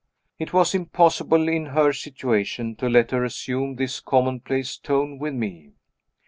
It was impossible, in her situation, to let her assume this commonplace tone with me.